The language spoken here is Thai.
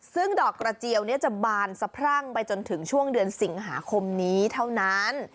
ซึ่งดอกกระเจียวจะบานสะพรั่งไปจนถึงช่วงเดือนสิงหาคมนี้เท่านั้น